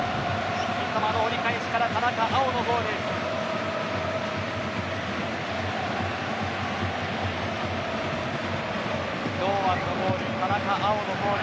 三笘の折り返しから田中碧のゴール。